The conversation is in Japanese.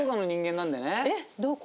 ええっどこ？